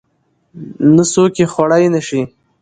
نه څوک يې خوړى نشي.